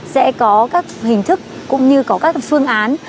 sẽ có các hình thức cũng như có các phương án